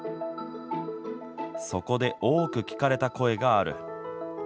そこで多く聞かれた声がある。